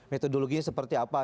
metodologinya seperti apa